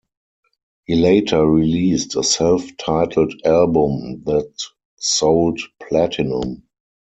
He later released a self-titled album that sold platinum.